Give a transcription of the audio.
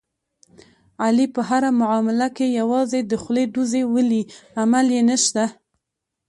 علي په هره معامله کې یوازې د خولې ډوزې ولي، عمل یې نشته.